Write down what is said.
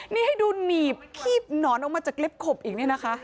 นี่ให้ดูหนีบคีบหนอนออกมาจากลิฟต์ขบอีกเนี่ยนะคะ